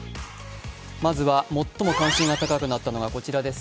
まずは、最も関心が高くなったのがこちらです。